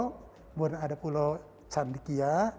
kemudian ada pulau sandikia